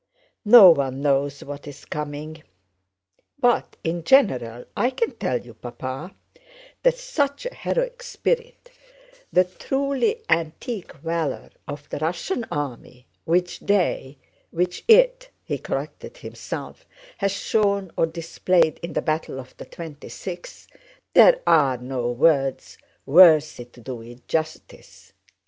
No one knows what is coming. But in general I can tell you, Papa, that such a heroic spirit, the truly antique valor of the Russian army, which they—which it" (he corrected himself) "has shown or displayed in the battle of the twenty sixth—there are no words worthy to do it justice!